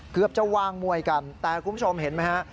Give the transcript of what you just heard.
เกือบจะวางมวยกันแต่คุณผู้ชมเห็นไหมฮะ